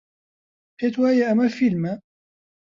پێت وایە ئەمە فیلمە؟